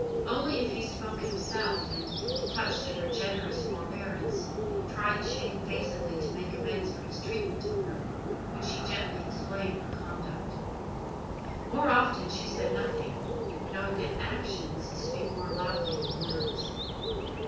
Only if he spoke himself, and, touched at her generous forbearance, tried shamefacedly to make amends for his treatment of her, would she gently explain her conduct. More often she said nothing, knowing that actions speak more loudly than words.